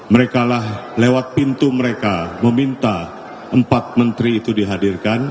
merekalah lewat pintu mereka meminta empat menteri itu dihadirkan